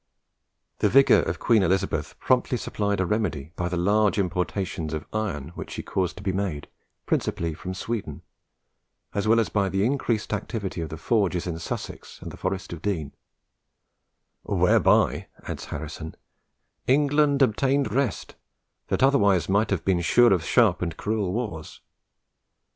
The vigour of Queen Elizabeth promptly supplied a remedy by the large importations of iron which she caused to be made, principally from Sweden, as well as by the increased activity of the forges in Sussex and the Forest of Dean; "whereby," adds Harrison, "England obtained rest, that otherwise might have been sure of sharp and cruel wars.